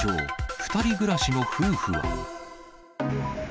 ２人暮らしの夫婦は？